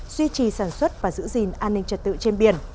duy trì sản xuất và giữ gìn an ninh trật tự trên biển